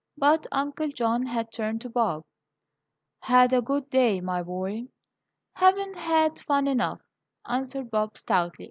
But Uncle John had turned to Bob. "Had a good day, my boy?" "Haven't had fun enough," answered Bob, stoutly.